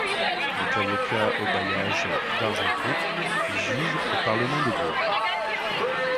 Il est avocat au bailliage d'Argenton puis juge au parlement de Bourges.